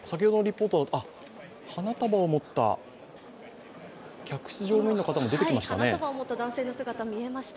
花束を持った客室乗務員の方も出てきましたね。